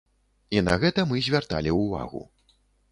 І на гэта мы звярталі ўвагу.